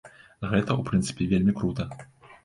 Гэта, у прынцыпе, вельмі крута.